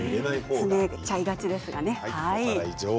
詰めちゃいがちですけれどもね。